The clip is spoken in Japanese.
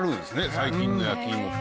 最近の焼き芋って。